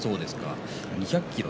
２００ｋｇ